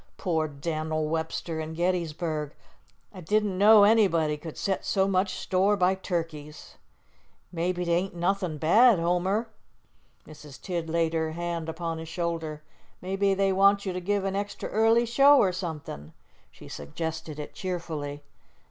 "Poor Dan'l Webster an' Gettysburg! I didn't know anybody could set so much store by turkeys." "Maybe 't ain't nothin' bad, Homer," Mrs. Tidd laid her hand upon his shoulder. "Maybe they want you to give an extra early show or somethin'." She suggested it cheerfully.